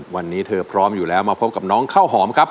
วันนี้เธอพร้อมอยู่แล้วมาพบกับน้องข้าวหอมครับ